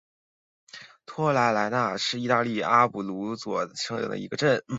莱托帕莱纳是意大利阿布鲁佐大区基耶蒂省的一个镇。